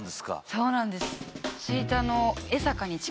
そうなんです。